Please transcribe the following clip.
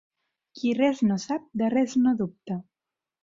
Qui res no sap, de res no dubta.